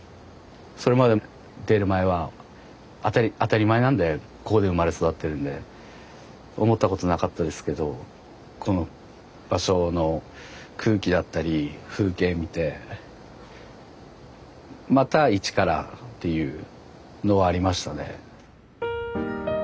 それまで出る前は当たり前なんでここで生まれ育ってるんで思ったことなかったですけどこの場所の空気だったり風景見てまた一からっていうのはありましたね。